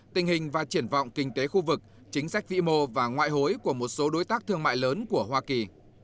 tình hình và triển vọng kinh tế khu vực chính sách vĩ mô và ngoại hối của một số đối tác thương mại lớn của hoa kỳ